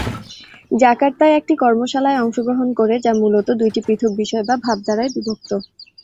জাকার্তায় একটি কর্মশালায় অংশগ্রহণ করে যা মূলত দুইটি পৃথক বিষয়/ভাবধারায় বিভক্ত।